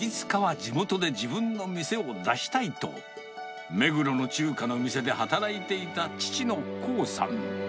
いつかは地元で自分の店を出したいと、目黒の中華の店で働いていた父の興さん。